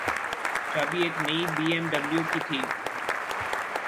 چابی ایک نئی بی ایم ڈبلیو کی تھی۔